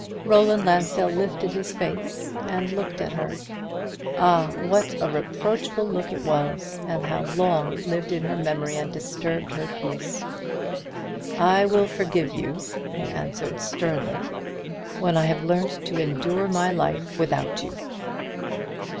Roland Lansdell lifted his face and looked at her. Ah, what a reproachful look it was, and how long it lived in her memory and disturbed her peace! "I will forgive you," he answered, sternly, "when I have learnt to endure my life without you."